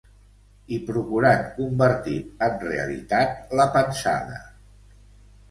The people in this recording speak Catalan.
I procurant convertir en realitat la pensada